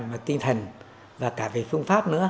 và tinh thần và cả cái phương pháp